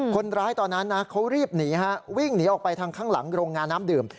ตอนนั้นนะเขารีบหนีฮะวิ่งหนีออกไปทางข้างหลังโรงงานน้ำดื่ม